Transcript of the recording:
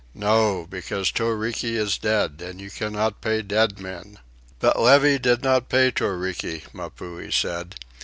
No, because Toriki is dead, and you cannot pay dead men." "But Levy did not pay Toriki," Mapuhi said.